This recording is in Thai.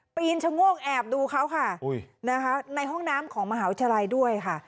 ปีนชะโงกแอบดูเขาค่ะนะคะในห้องน้ำของมหาวิทยาลัยด้วยค่ะ